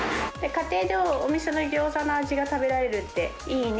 家庭でお店のギョーザの味が食べられるっていいね。